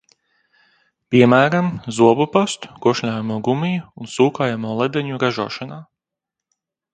Piemēram – zobu pastu, košļājamo gumiju un sūkājamo ledeņu ražošanā.